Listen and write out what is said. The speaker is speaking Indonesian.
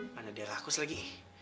mana dia rakus lagi